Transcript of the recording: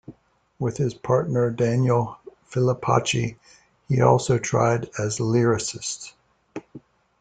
With his partner Daniel Filipacchi, he also tried as lyricist.